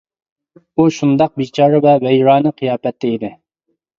ئۇ شۇنداق بىچارە ۋە ۋەيرانە قىياپەتتە ئىدى.